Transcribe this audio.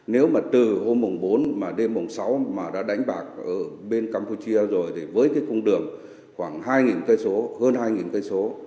nếu mà từ hôm mùng bốn mà đêm mùng sáu mà đã đánh bạc ở bên campuchia rồi thì với cái cung đường khoảng hai cây số hơn hai cây số